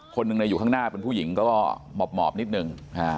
คนหนึ่งอยู่ข้างหน้าเป็นผู้หญิงก็หมอบนิดนึง